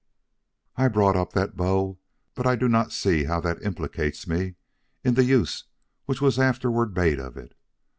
"I brought up the bow; but I do not see how that implicates me in the use which was afterward made of it.